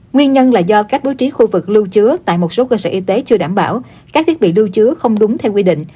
nguyên nhân là do cách bố trí khu vực lưu chứa tại một số cơ sở y tế chưa đảm bảo các thiết bị lưu chứa không đúng theo quy định